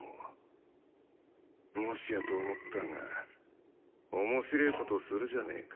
もしやと思ったが面白ぇことするじゃねぇか。